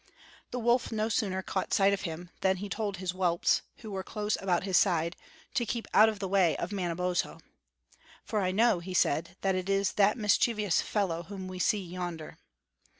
The wolf no sooner caught sight of him than he told his whelps, who were close about his side, to keep out of the way of Manabozho. "For I know," he said, "that it is that mischievous fellow whom we see yonder."